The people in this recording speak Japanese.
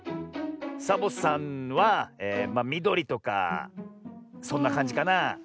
サボさんはみどりとかそんなかんじかなあ。